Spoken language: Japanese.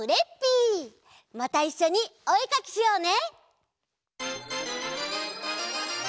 またいっしょにおえかきしようね！